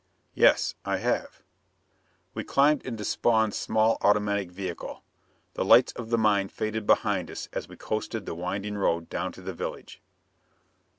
"Yes. I have." We climbed into Spawn's small automatic vehicle. The lights of the mine faded behind us as we coasted the winding road down to the village.